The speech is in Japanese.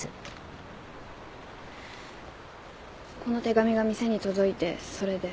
この手紙が店に届いてそれで。